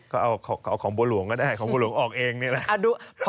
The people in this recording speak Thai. ก็เอาของบัวหลวงก็ได้ของบัวหลวงออกเองนี่แหละ